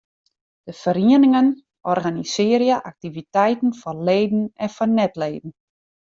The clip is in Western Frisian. De ferieningen organisearje aktiviteiten foar leden en foar net-leden.